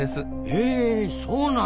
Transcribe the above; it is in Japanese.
へえそうなんだ！